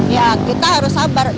ya kita harus sabar